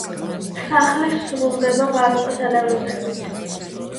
სახლი სრულდება ბაროკოს ელემენტებით.